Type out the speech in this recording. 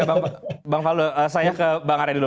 bang kamar bang faldo saya ke bang arya dulu